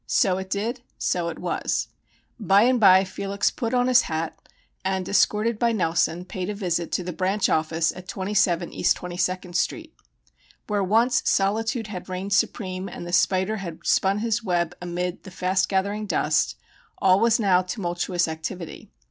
So it did; so it was. By and by Felix put on his hat and, escorted by Nelson, paid a visit to the "branch office" at 27 East Twenty second Street. Where once solitude had reigned supreme and the spider had spun his web amid the fast gathering dust, all was now tumultuous activity.